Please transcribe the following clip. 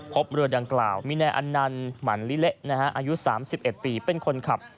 พบเรือดังกล่าวมีนายอันนันต์หมั่นลิเละอายุ๓๑ปีเป็นคนขับ